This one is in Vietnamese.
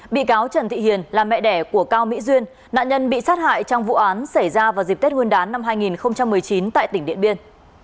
bị cáo trần thị hiền là mẹ đẻ của cao mỹ duyên nạn nhân bị sát hại trong vụ án xảy ra vào dịp tết nguyên đán năm hai nghìn một mươi chín tại tỉnh điện biên